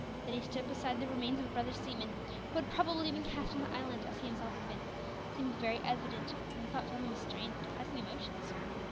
That he stood beside the remains of a brother seaman, who had probably been cast on that island, as he himself had been, seemed very evident, and the thought filled him with strange depressing emotions.